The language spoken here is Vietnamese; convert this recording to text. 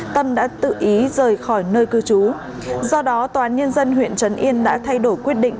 tâm đã tự ý rời khỏi nơi cư trú do đó tòa án nhân dân huyện trấn yên đã thay đổi quyết định